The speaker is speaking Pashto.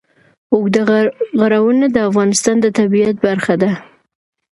اوږده غرونه د افغانستان د طبیعت برخه ده.